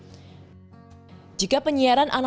jika penyiaran digital tidak memungkinkan penyiaran radio